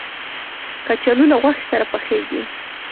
کچالو له غوښې سره پخېږي